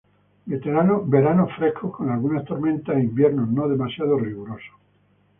Veranos frescos, con algunas tormentas, e inviernos no demasiados rigurosos.